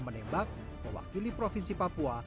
menembak mewakili provinsi papua